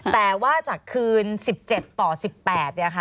แต่ว่าจากคืน๑๗ต่อ๑๘เนี่ยค่ะ